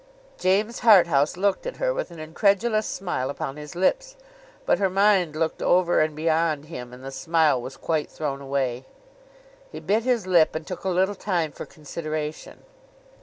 James Harthouse looked at her with an incredulous smile upon his lips; but her mind looked over and beyond him, and the smile was quite thrown away. He bit his lip, and took a little time for consideration.